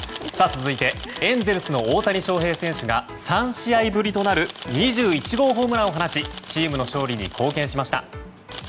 続いてエンゼルスの大谷翔平選手が３試合ぶりとなる２１号ホームランを放ちチームの勝利に貢献しました。